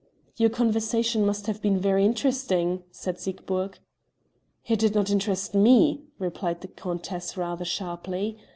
"Your conversation must have been very interesting," said Siegburg. "It did not interest me," replied the countess rather sharply.